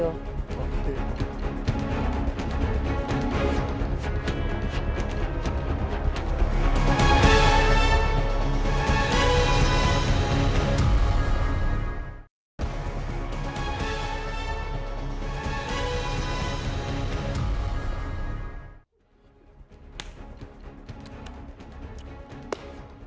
nah kontes suatu tambah tambah sujarah